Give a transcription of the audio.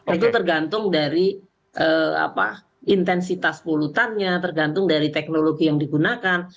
itu tergantung dari intensitas polutannya tergantung dari teknologi yang digunakan